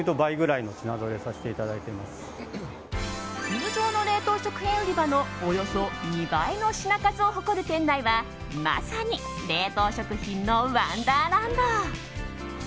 通常の冷凍食品売場のおよそ２倍の品数を誇る店内はまさに冷凍食品のワンダーランド。